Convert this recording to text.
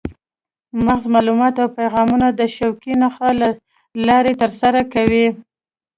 مغز معلومات او پیغامونه د شوکي نخاع له لارې ترلاسه کوي.